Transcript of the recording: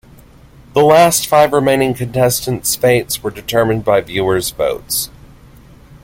The last five remaining contestants' fates were determined by viewers' votes.